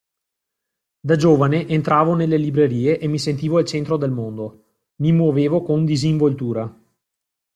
Da giovane entravo nelle librerie e mi sentivo al centro del mondo, mi muovevo con disinvoltura.